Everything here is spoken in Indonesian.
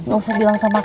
gak usah bilang sama pak